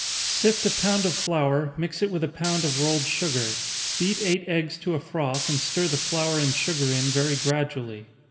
_ Sift a pound of flour, mix it with a pound of rolled sugar. Beat eight eggs to a froth, and stir the flour and sugar in very gradually.